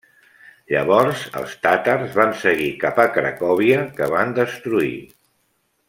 Llavors els tàtars van seguir cap a Cracòvia que van destruir.